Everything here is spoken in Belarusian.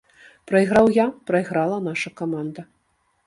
Прайграў я, прайграла наша каманда.